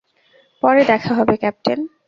পরে দেখা হবে, ক্যাপ্টেন।